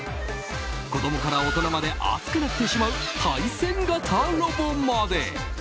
子供から大人まで熱くなってしまう対戦型ロボまで。